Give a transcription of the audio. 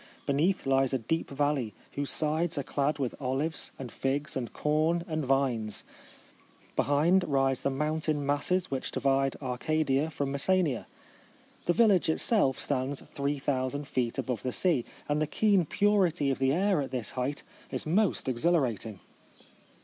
Beneath lies a deep valley, whose sides are clad with olives, and figs, and corn, and vines. Behind rise the mountain masses which divide Arcadia from Mes senia. The village itself stands 3000 feet above the sea: and the keen purity of the air at this height is most exhilarating.